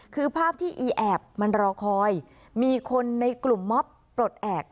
คือภาพที่อีแอบมันรอคอยมีคนในกลุ่มมอบปลดแอบ